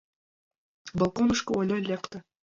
Балконышко Оля лекте: